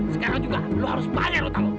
sekarang juga lu harus bayar hutang lu